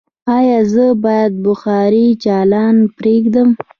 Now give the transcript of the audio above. ایا زه باید بخاری چالانه پریږدم؟